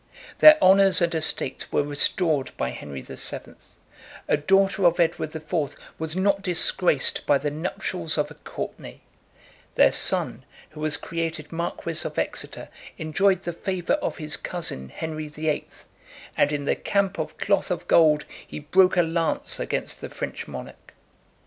Their honors and estates were restored by Henry the Seventh; a daughter of Edward the Fourth was not disgraced by the nuptials of a Courtenay; their son, who was created Marquis of Exeter, enjoyed the favor of his cousin Henry the Eighth; and in the camp of Cloth of Gold, he broke a lance against the French monarch.